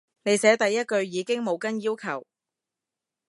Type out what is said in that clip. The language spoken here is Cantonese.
你寫第一句已經冇跟要求